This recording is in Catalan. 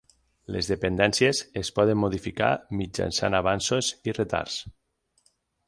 Les dependències es poden modificar mitjançant avanços i retards.